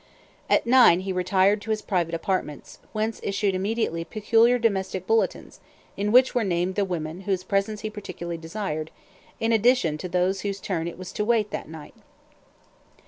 At nine he retired to his private apartments, whence issued immediately peculiar domestic bulletins, in which were named the women whose presence he particularly desired, in addition to those whose turn it was to "wait" that night.